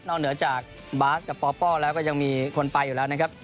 เหนือจากบาสกับปปแล้วก็ยังมีคนไปอยู่แล้วนะครับ